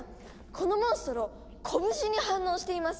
このモンストロこぶしに反応しています！